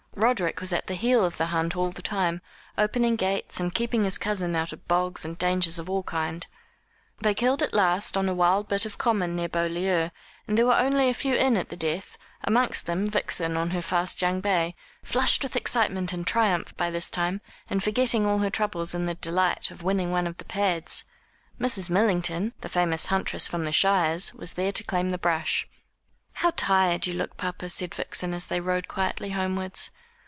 Roderick was at the heel of the hunt all the time, opening gates, and keeping his cousin out of bogs and dangers of all kinds. They killed at last on a wild bit of common near Beaulieu, and there were only a few in at the death, amongst them Vixen on her fast young bay, flushed with excitement and triumph by this time, and forgetting all her troubles in the delight of winning one of the pads. Mrs Millington, the famous huntress from the shires, was there to claim the brush. "How tired you look, papa," said Vixen, as they rode quietly homewards.